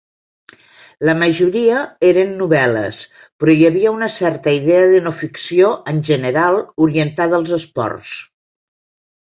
La majoria eren novel·les, però hi havia una certa idea de no-ficció en general orientada als esports.